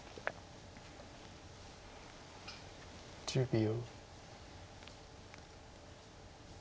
１０秒。